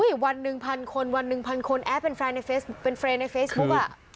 อุ๊ยวันหนึ่งพันคนวันหนึ่งพันคนแอดเป็นแฟรงเป็นแฟซบุ๊คอ่ะ